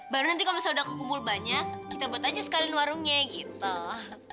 baru nanti kalau misalnya udah kekumpul banyak kita buat aja sekalian warungnya gitu